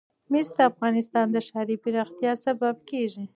مس د افغانستان د ښاري پراختیا سبب کېږي.